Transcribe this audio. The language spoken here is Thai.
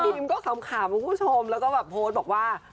พี่บีมก็ขำขามคุณผู้ชมแล้วก็แบบโพสต์บอกว่า